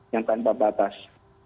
yang tanpa batas